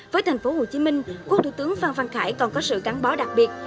với thành phố hồ chí minh cô thủ tướng phan phan khải còn có sự gắn bó đặc biệt